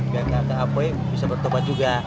gak ada poin bisa bertobat juga